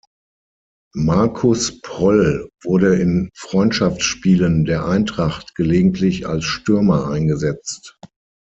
Markus Pröll wurde in Freundschaftsspielen der Eintracht gelegentlich als Stürmer eingesetzt.